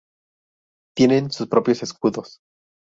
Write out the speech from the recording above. Tienen sus propios escudos.